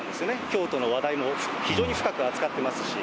京都の話題も非常に深く扱っていますし。